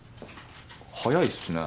早いっすね。